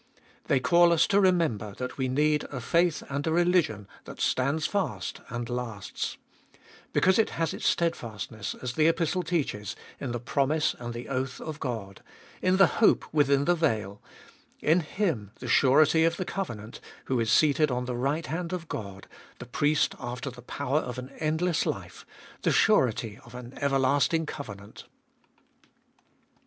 They call us to remember that we need a faith and a religion that stands fast and lasts ; because it has its steadfastness, as the Epistle teaches, in the promise and the oath of God ; in the hope within the veil ; in Him the surety of the covenant, who is seated on the right hand of God, the Priest after the power of an end less life, the surety of an everlasting covenant.